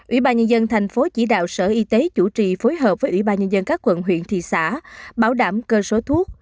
ubnd tp chỉ đạo sở y tế chủ trì phối hợp với ubnd các quận huyện thị xã bảo đảm cơ số thuốc